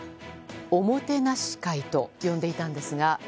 おもてなし会と呼んでいたんですが。